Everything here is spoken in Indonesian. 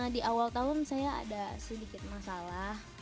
di awal tahun saya ada sedikit masalah